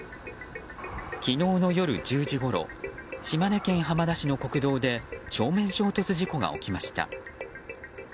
昨日の夜１０時ごろ島根県浜田市の国道で正面衝突事故が起きました。